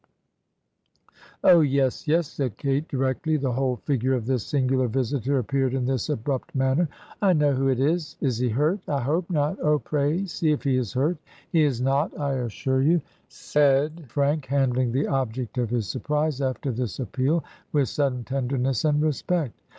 "'Oh, yes, yes,' said Kate, directly the whole figure of this singular visitor appeared in this abrupt manner. 'I know who it is. ... Is he hurt? I hope not — oh, pray, see if he is hurt.' 'He is not, I assure you,' ^T« 129 Digitized by VjOOQIC HEROINES OF FICTION said Franks handling the object 6f his surprise, after this appeal, with sudden tenderness and respect.